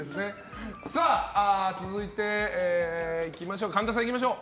続いて、神田さんいきましょう。